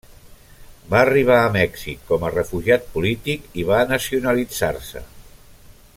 Va arribar a Mèxic com a refugiat polític i va nacionalitzar-se.